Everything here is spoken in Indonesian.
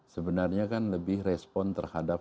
sebenarnya kan lebih respon terhadap